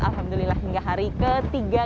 alhamdulillah hingga hari ketiga